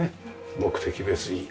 目的別に。